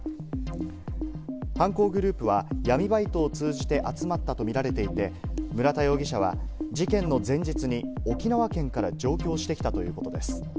犯行グループは闇バイトを通じて集まったとみられていて、村田容疑者は事件の前日に沖縄県から上京してきたということです。